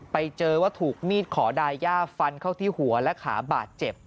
ไปเจอว่าถูกมีดขอดายย่าฟันเข้าที่หัวและขาบาดเจ็บ